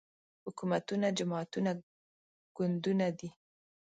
حکومتونه جماعتونه ګوندونه دي